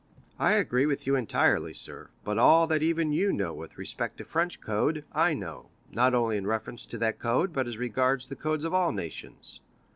"I agree with you entirely, sir; but all that even you know with respect to the French code, I know, not only in reference to that code, but as regards the codes of all nations.